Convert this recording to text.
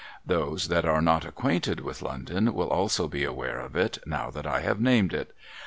Those that are not acquainted with London will also be aware of it, now that I have named it.